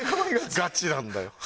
ガチなんだよ。